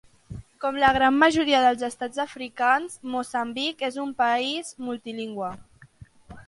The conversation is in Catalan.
Com la gran majoria dels estats africans, Moçambic és un país multilingüe.